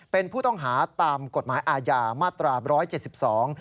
เป็นผู้ต้องหาตามกฎหมายอาญามาตราบ๑๗๒๑๗๓๑๗๔